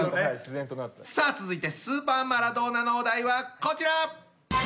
さあ続いてスーパーマラドーナのお題はこちら！